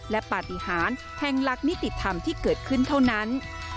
และปฏิหารแห่งหลักนิติธรรมที่เกิดขึ้นเท่านั้น